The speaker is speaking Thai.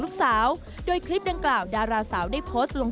ลูกสาวโดยคลิปดังกล่าวดาราสาวได้โพสต์ลง